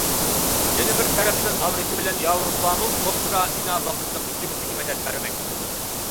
يەنە بىر تەرەپتىن، ئامېرىكا بىلەن ياۋروپامۇ ئۇكرائىنا ۋاقىتلىق ھۆكۈمىتىگە مەدەت بەرمەكتە.